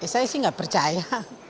saya sih gak percaya